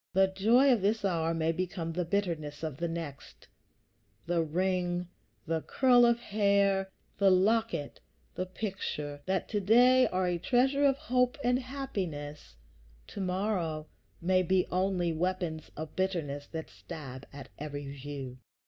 The joy of this hour may become the bitterness of the next; the ring, the curl of hair, the locket, the picture, that to day are a treasure of hope and happiness, to morrow may be only weapons of bitterness that stab at every view.